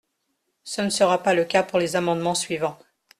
Ce ne sera pas le cas pour les amendements suivants.